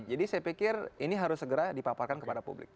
jadi saya pikir ini harus segera dipaparkan kepada publik